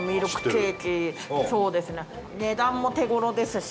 値段も手頃ですし。